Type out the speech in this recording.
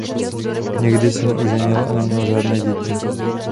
Nikdy se neoženil a neměl žádné děti.